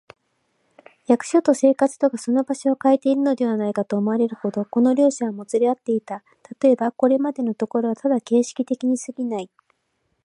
役所と生活とがその場所をかえているのではないか、と思われるほど、この両者はもつれ合っていた。たとえば、これまでのところはただ形式的にすぎない、